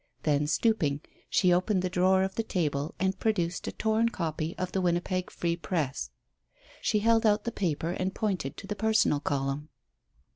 Then, stooping, she opened the drawer of the table and produced a torn copy of the Winnipeg Free Press. She held out the paper and pointed to the personal column.